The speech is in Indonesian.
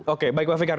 oke baik pak fikar